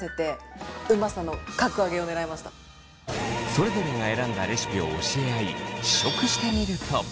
それぞれが選んだレシピを教え合い試食してみると。